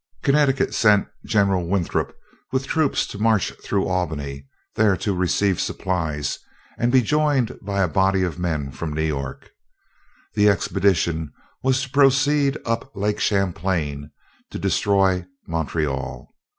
Connecticut sent General Winthrop with troops to march through Albany, there to receive supplies and to be joined by a body of men from New York. The expedition was to proceed up Lake Champlain to destroy Montreal.